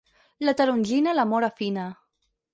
La tarongina l'amor afina.